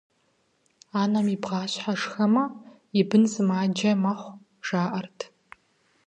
Анэм и бгъащхьэр шхэмэ, и бын сымаджэ мэхъу, жаӏэрт.